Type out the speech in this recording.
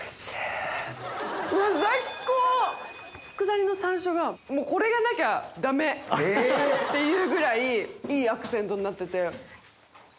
佃煮の山椒がもうこれがなきゃダメっていうぐらいいいアクセントになってて。